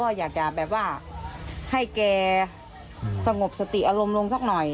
ก็อยากจะแบบว่าให้แกสงบสติอารมณ์ลงสักหน่อย